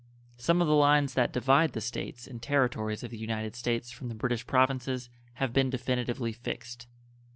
Some of the lines that divide the States and Territories of the United States from the British Provinces have been definitively fixed.